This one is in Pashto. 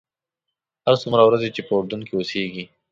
هر څومره ورځې چې په اردن کې اوسېږې.